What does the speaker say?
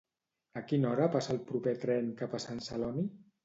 A quina hora passa el proper tren cap a Sant Celoni?